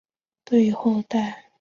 对于后代的泼彩写意影响深远。